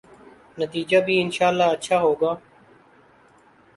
نتیجہ بھی انشاء اﷲ اچھا ہو گا۔